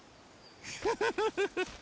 フフフフフ！